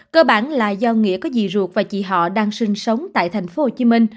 cơ bản là do nghĩa có dì ruột và chị họ đang sinh sống tại tp hcm